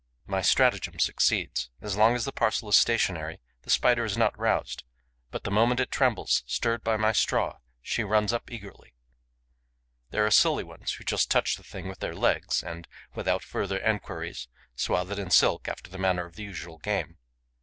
My stratagem succeeds. As long as the parcel is stationary, the Spider is not roused; but, the moment it trembles, stirred by my straw, she runs up eagerly. There are silly ones who just touch the thing with their legs and, without further enquiries, swathe it in silk after the manner of the usual game.